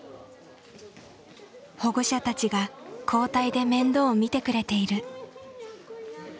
保護者たちが交代で面倒を見てくれている。